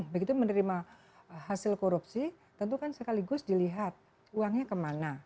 begitu menerima hasil korupsi tentu kan sekaligus dilihat uangnya kemana